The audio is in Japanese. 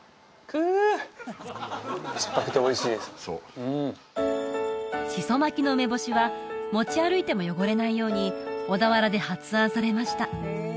そううんしそ巻きの梅干しは持ち歩いても汚れないように小田原で発案されました